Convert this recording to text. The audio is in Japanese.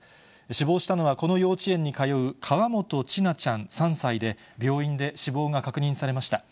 死亡したのは、この幼稚園に通う、かわもとちなちゃん３歳で、病院で死亡が確認されました。